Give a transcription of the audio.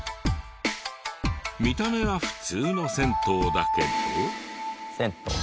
見た目は普通の銭湯だけど。